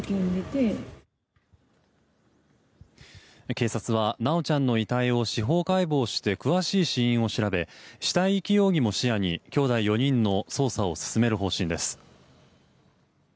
警察は修ちゃんの遺体を司法解剖して詳しい死因を調べ死体遺棄容疑も視野にきょうだい４人の捜査を進める方針です。